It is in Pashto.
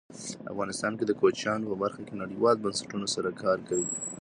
افغانستان د کوچیانو په برخه کې نړیوالو بنسټونو سره کار کوي.